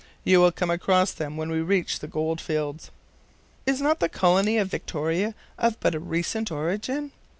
You will come across them when we reach the gold fields." "Is not the colony of Victoria of but a recent origin?"